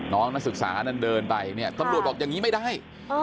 นักศึกษานั้นเดินไปเนี่ยตำรวจบอกอย่างนี้ไม่ได้